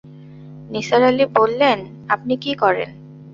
নিসার আলি বললেন, আপনি কী করেন?